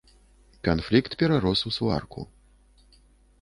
Канфлікт перарос у сварку.